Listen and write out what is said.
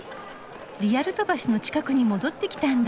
リアルト橋の近くに戻ってきたんだ。